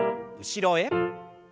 後ろへ。